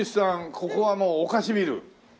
ここはもうお菓子ビル。